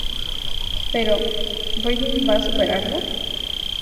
Pero, ¿Britney va a superarlo?